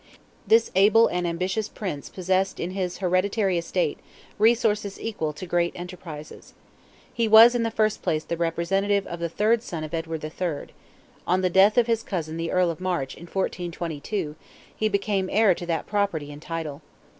This able and ambitious Prince possessed in his hereditary estate resources equal to great enterprises. He was in the first place the representative of the third son of Edward III.; on the death of his cousin the Earl of March, in 1424, he became heir to that property and title.